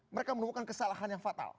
mereka menemukan kesalahan yang fatal